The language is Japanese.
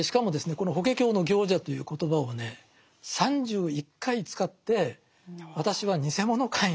この「法華経の行者」という言葉をね３１回使って私はにせものかいなと。